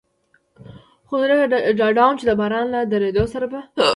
خو زه ډاډه ووم، چې د باران له درېدو سره به.